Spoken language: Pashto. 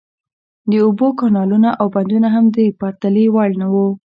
د اوبو کانالونه او بندونه هم د پرتلې وړ نه وو.